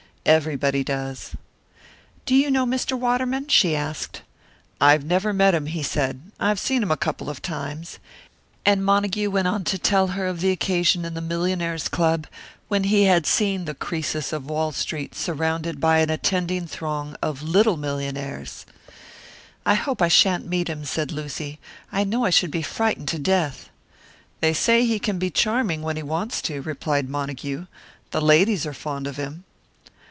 "Everybody does." "Do you know Mr. Waterman?" she asked. "I have never met him," he said. "I have seen him a couple of times." And Montague went on to tell her of the occasion in the Millonaires' Club, when he had seen the Croesus of Wall Street surrounded by an attending throng of "little millionaires." "I hope I shan't meet him," said Lucy. "I know I should be frightened to death." "They say he can be charming when he wants to," replied Montague. "The ladies are fond of him."